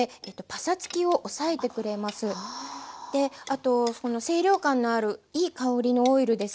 あと清涼感のあるいい香りのオイルですので